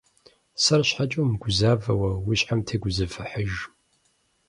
Сэр щхьэкӀэ умыгузавэ уэ, уи щхьэм тегузэвыхьыж.